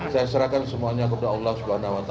saya serahkan semuanya kepada allah swt